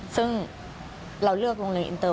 ซึ่งเราเลือกโรงเรียนอินเตอร์